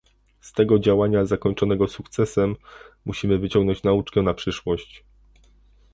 Z tego działania, zakończonego sukcesem, musimy wyciągnąć nauczkę na przyszłość